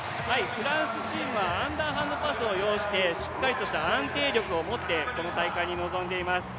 フランスチームはアンダーハンドパスを用意して安定力をもってこの大会に臨んでいます。